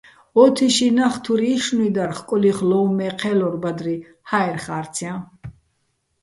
ო თიშიჼ ნახ თურ იშშნუჲ დარ, ხკოლი́ხ ლო́უმო̆ მე ჴე́ლორ ბადრი ჰაერ ხარცჲაჼ.